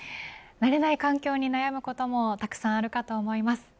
慣れない環境に悩むこともたくさんあるかと思います。